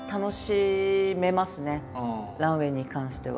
ランウエイに関しては。